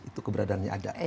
itu keberadaannya ada